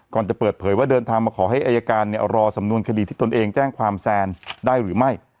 จะเปิดเผยว่าเดินทางมาขอให้อายการรอสำนวนคดีที่ตนเองแจ้งความแซนได้หรือไม่